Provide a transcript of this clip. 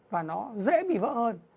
và nó dễ bị vỡ hơn